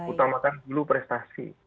utamakan dulu prestasi